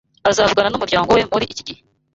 Azavugana numuryango we muri iki gihe